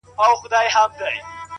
o پر دې دنیا سوځم پر هغه دنیا هم سوځمه؛